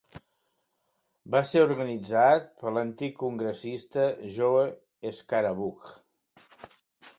Va ser organitzat per l'antic congressista Joe Scarborough.